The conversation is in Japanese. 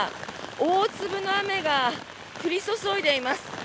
大粒の雨が降り注いでいます。